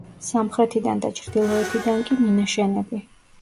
სამხრეთიდან და ჩრდილოეთიდან კი, მინაშენები.